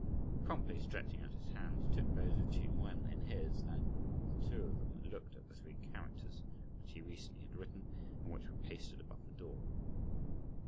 Promptly stretching out his hand, he took those of Ch'ing Wen in his, and the two of them looked at the three characters, which he recently had written, and which were pasted above the door.